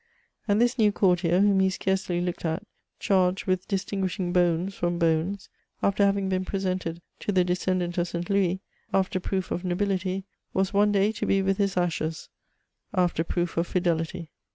And this new courtier, whom he scarcely looked at, charged with distinguishing bones from bones, after having been presented to the descendant of St. Louis, after proof of nobility, was one day to be with his ashes, after proof of fidelity